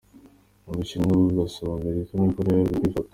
Ubushinwa burasaba Amerika na Korea ya ruguru kwifata.